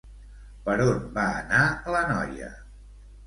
Per on va anar la noia?